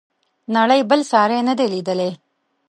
نړۍ بل ساری نه دی لیدلی.